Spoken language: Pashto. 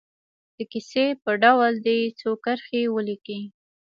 د کیسې په ډول دې څو کرښې ولیکي.